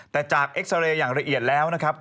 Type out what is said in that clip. แต่จากเอ็กซาเรย์อย่างละเอียดแล้วนะครับ